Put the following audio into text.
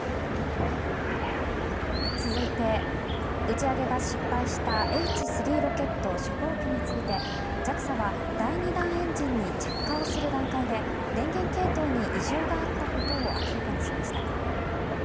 続いて打ち上げが失敗したＨ３ロケット初号機についてＪＡＸＡは第２段エンジンに着火をする段階で電源系統に異常があったことを明らかにしました。